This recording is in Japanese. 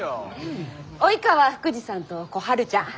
及川福治さんと小春ちゃん。